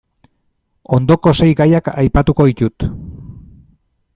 Ondoko sei gaiak aipatuko ditut.